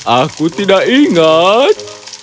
aku tidak ingat